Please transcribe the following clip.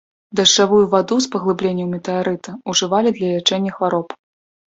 Дажджавую ваду з паглыбленняў метэарыта ўжывалі для лячэння хвароб.